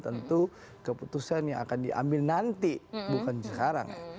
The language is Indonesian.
tentu keputusan yang akan diambil nanti bukan sekarang